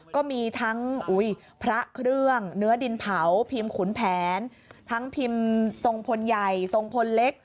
ก็มีทั้งพระเครื่องเนื้อดินเผาพิมพ์ขุนแผนทั้งพิมพ์ทรงพลใหญ่ทรงพลเล็ก